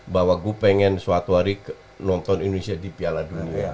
bahwa gue pengen suatu hari nonton indonesia di piala dunia